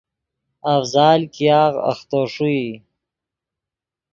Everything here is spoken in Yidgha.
افضال ګیاغ اختو ݰوئی